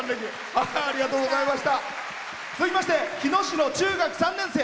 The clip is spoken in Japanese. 続きまして日野市の中学３年生。